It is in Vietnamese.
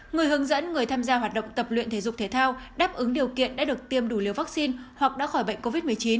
người hướng dẫn người tham gia hoạt động tập luyện thể dục thể thao đáp ứng điều kiện đã được tiêm đủ liều vaccine hoặc đã khỏi bệnh covid một mươi chín